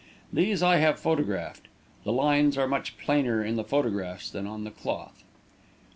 These I have photographed. The lines are much plainer in the photographs than on the cloth."